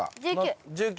１９。